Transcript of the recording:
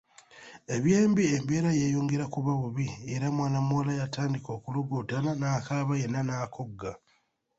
Ebyembi embeera yeeyongera kuba bubi era mwana muwala yatandika okulogootana n’akaaba yenna n’akogga.